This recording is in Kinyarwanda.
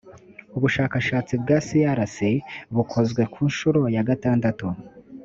ubushakashatsi bwa crc bukozwe ku nshuro ya gatandatu